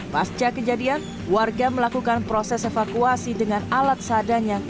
pasca kejadian warga melakukan proses evakuasi dengan alat seadanya